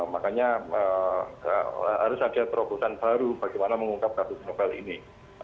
makanya harus ada terobosan baru bagaimana mengungkap kasus novel ini